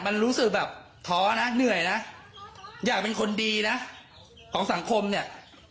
มันรู้สึกแบบท้อนะเหนื่อยนะอยากเป็นคนดีนะของสังคมเนี่ย